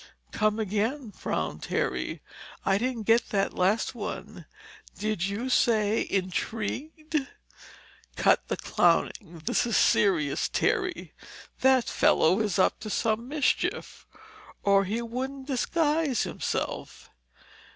"Come again," frowned Terry. "I didn't get that last one. Did you say intrigued?" "Cut the clowning. This is serious, Terry. That fellow is up to some mischief, or he wouldn't disguise himself."